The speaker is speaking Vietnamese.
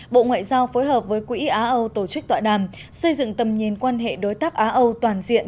bộ ngoại giao phối hợp với quỹ á âu tổ chức tọa đàm xây dựng tầm nhìn quan hệ đối tác á âu toàn diện